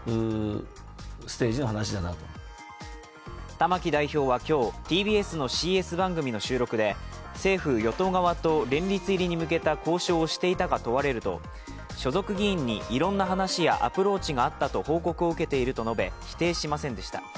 玉木代表は今日、ＴＢＳのＣＳ番組の収録で政府・与党側と連立入りに向けた交渉をしていたか問われると所属議員にいろんな話やアプローチがあったと報告を受けていると述べ、否定しませんでした。